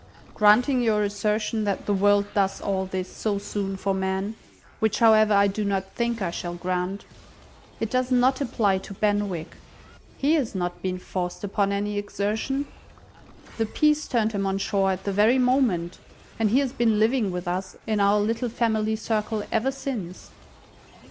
"Granting your assertion that the world does all this so soon for men (which, however, I do not think I shall grant), it does not apply to Benwick. He has not been forced upon any exertion. The peace turned him on shore at the very moment, and he has been living with us, in our little family circle, ever since."